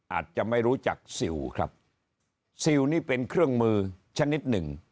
อาจจะไม่รู้จักซิลครับซิลนี่เป็นเครื่องมือชนิดหนึ่ง